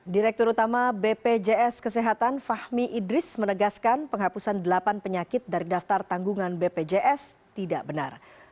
direktur utama bpjs kesehatan fahmi idris menegaskan penghapusan delapan penyakit dari daftar tanggungan bpjs tidak benar